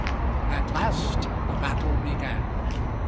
At last the battle began.